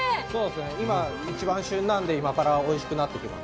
今、一番旬なのでこれからおいしくなっていきます。